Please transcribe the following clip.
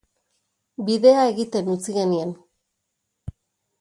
Bidea egiten utzi genien.